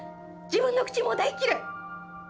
自分の口も大嫌い！